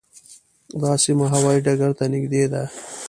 دا سیمه هوايي ډګر ته نږدې ده.